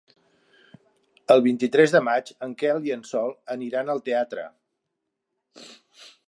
El vint-i-tres de maig en Quel i en Sol aniran al teatre.